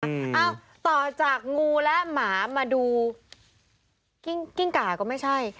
เอ้าต่อจากงูและหมามาดูกิ้งกิ้งก่าก็ไม่ใช่